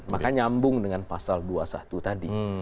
maka nyambung dengan pasal dua puluh satu tadi